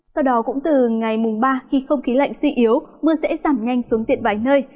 sau đó cũng từ ngày mùng ba khi không khí lạnh suy yếu mưa sẽ giảm nhanh xuống diện vài nơi